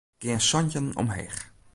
Gean santjin omheech.